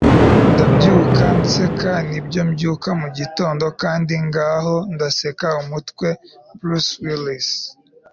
ndabyuka nseka. nibyo, mbyuka mu gitondo kandi ngaho ndaseka umutwe. - bruce willis